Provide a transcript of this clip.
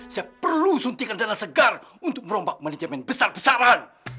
saya perlu suntikan dana segar untuk merombak manajemen besar besaran